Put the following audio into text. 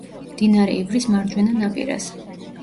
მდინარე ივრის მარჯვენა ნაპირას.